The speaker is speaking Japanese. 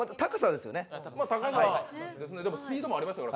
でもスピードもありましたから。